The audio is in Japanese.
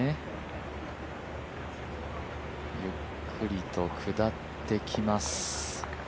ゆっくりと下ってきます。